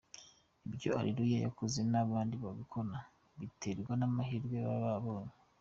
ibyo Areruya yakoze n’abandi babikora biterwa n’amahirwe baba babonye".